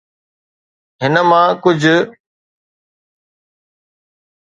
هن مان ڪجهه